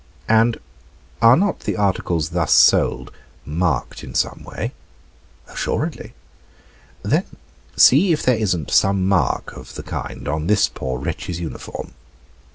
"And are not the articles thus sold marked in some way?" "Assuredly." "Then see if there isn't some mark of the kind on this poor wretch's uniform."